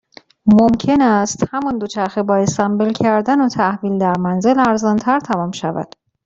ممکن است همان دوچرخه با اسمبل کردن و تحویل در منزل، ارزانتر تمام شود